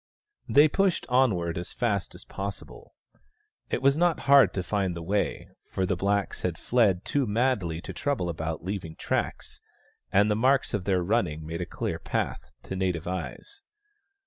They pushed onward as fast as possible. It was not hard to find the way, for the blacks had fled too madly to trouble about leaving tracks, and the marks of their running made a clear path, to native eyes.